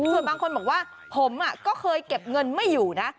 ส่วนบางคนบอกว่าผมก็เคยเก็บเงินไม่อยู่นะ